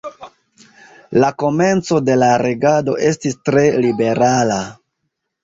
La komenco de la regado estis tre liberala.